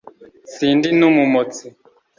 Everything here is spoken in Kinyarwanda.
Sindi numumotsi